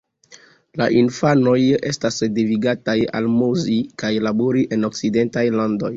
La infanoj estas devigataj almozi kaj labori en okcidentaj landoj.